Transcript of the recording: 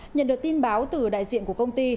nhận được tin báo từ đại diện của công ty